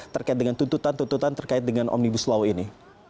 terkait dengan tuntutan tuntutan terkait dengan omnibus law ini